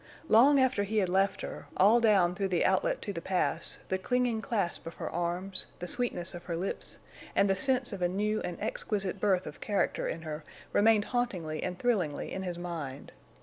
Long after he had left her, all down through the outlet to the Pass, the clinging clasp of her arms, the sweetness of her lips, and the sense of a new and exquisite birth of character in her remained hauntingly and thrillingly in his mind.